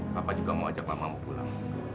bapak juga mau ajak mamamu pulang